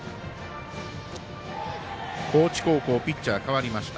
高知高校ピッチャー代わりました。